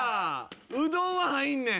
うどんは入んねん。